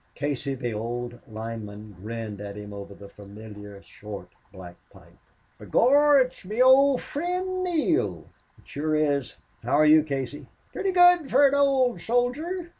Casey, the old lineman, grinned at him over the familiar short, black pipe. "B'gorra, it's me ould fri'nd Neale." "It sure is. How're you Casey?" "Pritty good fur an ould soldier....